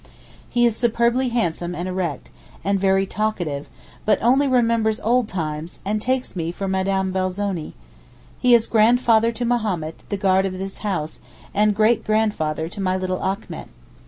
He is superbly handsome and erect, and very talkative, but only remembers old times, and takes me for Mme. Belzoni. He is grandfather to Mahommed, the guard of this house, and great grandfather to my little Achmet.